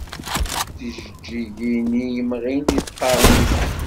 Tijeǧǧigin i d-yemɣin di tqernit.